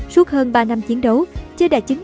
suốt hơn ba năm chiến đấu che đã chứng